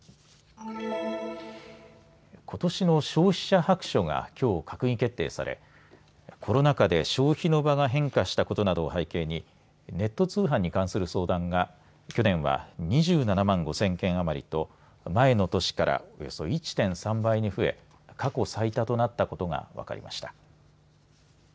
ことしの消費者白書がきょう閣議決定されコロナ禍で消費の場が変化したことなどを背景にネット通販に関する相談が去年は２７万５０００件余りと前の年からおよそ１．３倍に増え過去最多となったことが分かりました。